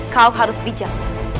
kau harus bijak